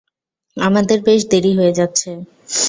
আমাদের বেশ দেরি হয়ে যাচ্ছে!